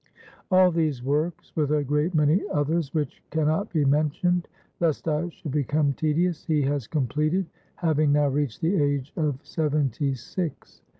All these works, with a great many others, which can not be mentioned, lest I should become tedious, he has completed, having now reached the age of seventy six.